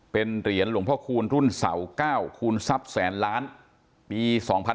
เป็นเหรียญหลวงพ่อคูณรุ่นเสา๙คูณทรัพย์แสนล้านปี๒๕๕๙